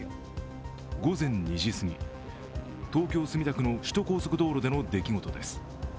午前２時すぎ、東京・墨田区の首都高速道路での出来事です。